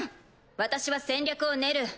私は戦略を練る。